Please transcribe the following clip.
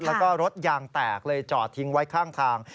แล้วก็รถยางแตกเลยจอดทิ้งไว้ข้างทาง